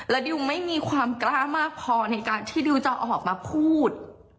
ดิวไม่มีความกล้ามากพอในการที่ดิวจะออกมาพูด